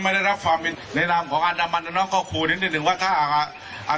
ไหนพวกเราแต่ตอนนี้น่าบอกค่ะที่ว่ารับร้อยอ่า